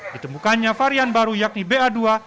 ditemukannya varian baru yakni ba dua